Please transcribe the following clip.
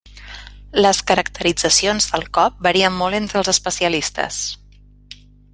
Les caracteritzacions del cop varien molt entre els especialistes.